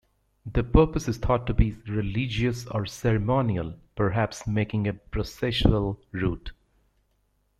Their purpose is thought to be religious or ceremonial perhaps marking a processual route.